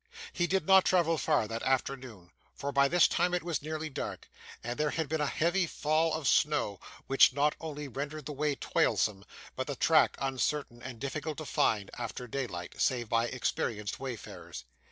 He did not travel far that afternoon, for by this time it was nearly dark, and there had been a heavy fall of snow, which not only rendered the way toilsome, but the track uncertain and difficult to find, after daylight, save by experienced wayfarers.